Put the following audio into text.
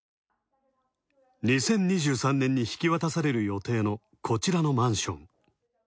２０２３年に引き渡される予定のこちらのマンション。